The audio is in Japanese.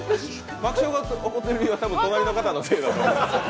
爆笑が起こっている意味はたぶん隣の方のせいだと思う。